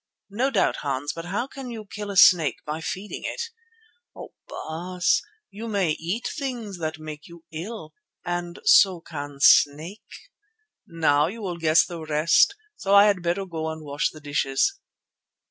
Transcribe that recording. "No doubt, Hans; but how can you kill a snake by feeding it?" "Oh! Baas, you may eat things that make you ill, and so can a snake. Now you will guess the rest, so I had better go to wash the dishes."